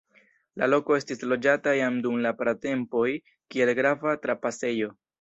La loko estis loĝata jam dum la pratempoj, kiel grava trapasejo.